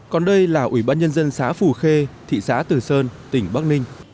còn đây là ủy ban nhân dân xã phù khê thị xã từ sơn tỉnh bắc ninh